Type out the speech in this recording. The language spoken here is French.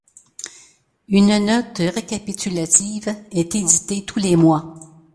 Une note récapitulative est éditée tous les mois.